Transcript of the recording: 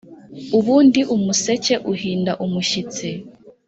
ubundi umuseke uhinda umushyitsi,